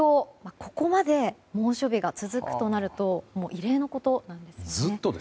ここまで猛暑日が続くとなるともう異例のことなんですよね。